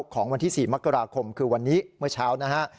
ของวันที่๔มกราคมคือวันนี้เมื่อเช้านะฮะ